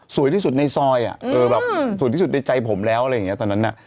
สวยที่สุดในซอยสวยที่สุดในใจผมแล้วตอนนั้นน่ะ